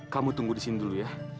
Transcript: kamu tunggu di sini dulu ya